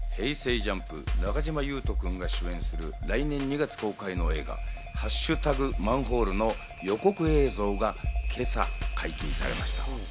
ＪＵＭＰ・中島裕翔くんが主演する来年２月公開の映画『＃マンホール』の予告映像が今朝、解禁されました。